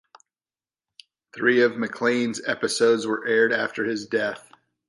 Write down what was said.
Three of MacLane's episodes were aired after his death.